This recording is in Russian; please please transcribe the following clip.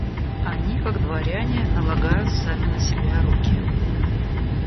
Они, как дворяне, налагают сами на себя руки.